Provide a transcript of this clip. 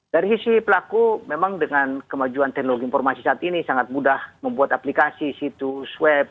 dari sisi pelaku memang dengan kemajuan teknologi informasi saat ini sangat mudah membuat aplikasi situs web